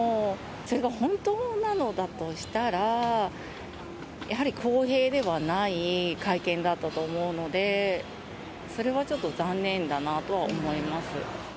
それが本当なのだとしたら、やはり公平ではない会見だったと思うので、それはちょっと残念だなとは思います。